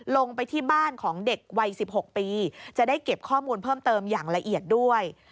ลงไปที่บ้านของเด็กวัย๑๖ปีจะได้เก็บข้อมูลเพิ่มเติมอย่างละเอียดด้วย